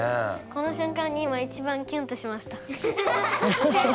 この瞬間に今一番キュンとしました。